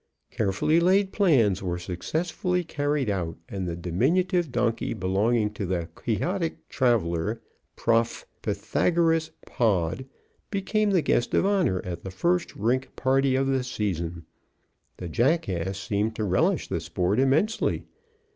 Carefully laid plans were successfully carried out, and the diminutive donkey belonging to the quixotic traveler, Prof. Pythagoras Pod, became the guest of honor at the first rink party of the season. The jackass seemed to relish the sport immensely.